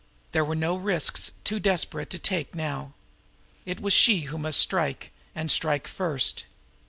There were no risks too desperate to take now. It was she who must strike, and strike first.